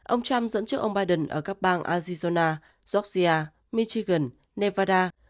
ông trump dẫn trước ông biden ở các bang azizona georgia michigan nevada